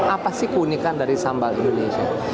apa sih keunikan dari sambal indonesia